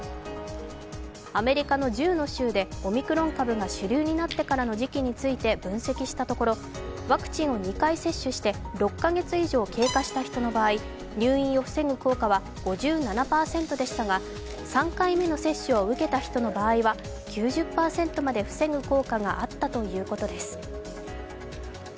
アメリカの１０の州でオミクロン株が主流になってからの時期について分析したところワクチンを２回接種して６カ月以上経過した人の場合入院を防ぐ効果は５７％でしたが３回目の接種を受けた人の場合は９０％まで防ぐ効果があったということです。